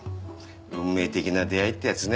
運命的な出会いってやつね